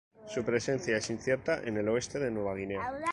Su presencia es incierta en el oeste de Nueva Guinea.